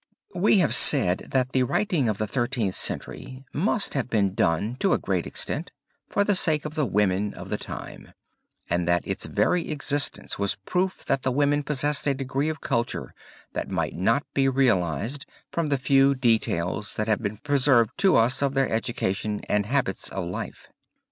'" We have said that the writing of the Thirteenth Century must have been done to a great extent for the sake of the women of the time, and that its very existence was a proof that the women possessed a degree of culture, that might not be realized from the few details that have been preserved to us of their education and habits of life.